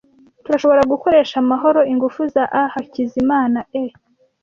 Turashobora gukoresha amahoro ingufu za a Hakizimana e.